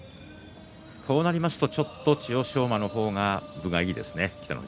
こうなりますと、ちょっと千代翔馬の方が分がいいですね。